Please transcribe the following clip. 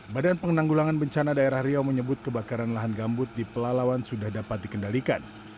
badan penanggulangan bencana daerah riau menyebut kebakaran lahan gambut di pelalawan sudah dapat dikendalikan